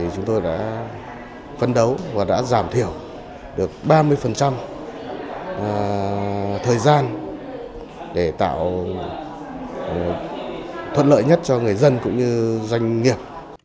chúng tôi đã phân đấu và đã giảm thiểu được ba mươi thời gian để tạo thuận lợi nhất cho người dân cũng như doanh nghiệp